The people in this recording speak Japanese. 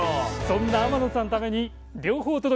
そんな天野さんのために両方お届けします